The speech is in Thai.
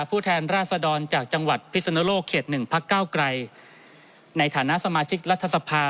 ผู้แทนราชดรจากจังหวัดพิศนุโลกเขต๑พักเก้าไกรในฐานะสมาชิกรัฐสภา